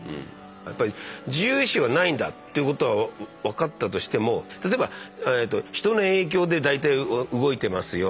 やっぱり自由意志はないんだってことは分かったとしても例えば人の影響で大体動いてますよ。